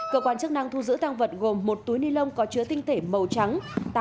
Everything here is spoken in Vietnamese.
cơ quan chức năng thu giữ tăng vật gồm một túi ni lông có chứa tinh thể màu trắng